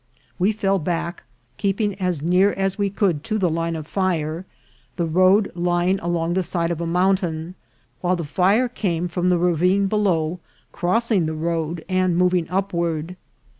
We fell back, keeping as near as we could to the line of fire, the road lying along the side of a mountain ; while the fire came from the ravine below, crossing the road, and moving upward.